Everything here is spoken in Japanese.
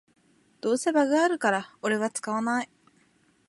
どうせバグあるからオレは使わない